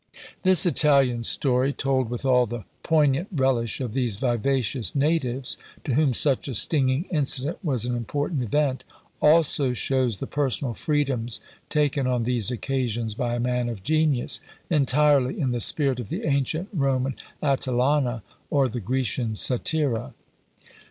This Italian story, told with all the poignant relish of these vivacious natives, to whom such a stinging incident was an important event, also shows the personal freedoms taken on these occasions by a man of genius, entirely in the spirit of the ancient Roman Atellana, or the Grecian Satyra.